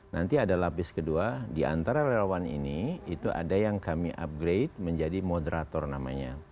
nanti ada lapis kedua di antara relawan ini itu ada yang kami upgrade menjadi moderator namanya